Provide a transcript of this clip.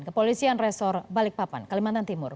kepolisian resor balikpapan kalimantan timur